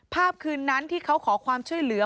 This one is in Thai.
คืนนั้นที่เขาขอความช่วยเหลือ